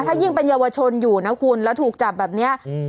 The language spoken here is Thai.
ถ้ายิ่งเป็นเยาวชนอยู่นะคุณแล้วถูกจับแบบเนี้ยอืม